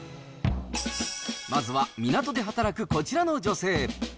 まずは港で働くこちらの女性。